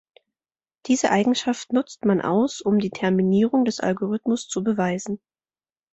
Diese Eigenschaft nutzt man aus, um die Terminierung des Algorithmus zu beweisen.